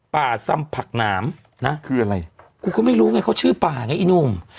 ซำผักหนามนะคืออะไรคุณก็ไม่รู้ไงเขาชื่อป่าไงอีหนุ่ม